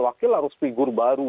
wakil harus figur baru